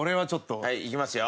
はいいきますよ。